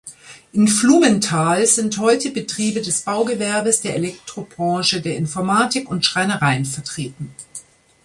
In Flumenthal sind heute Betriebe des Baugewerbes, der Elektrobranche, der Informatik und Schreinereien vertreten.